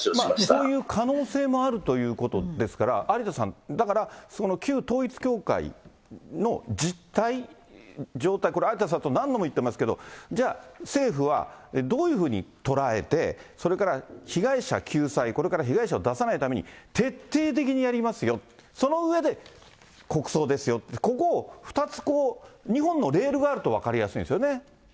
そういう可能性もあるということですから、有田さん、だから、そこの旧統一教会の実態、状態、これ、有田さん、何度も言ってますけど、じゃあ、政府はどういうふうに捉えて、それから被害者救済、これから被害者を出さないために、徹底的にやりますよ、その上で国葬ですよ、ここを２つこう、２本のレールがあると分かりやすいんですよね。